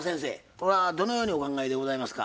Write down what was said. これはどのようにお考えでございますか？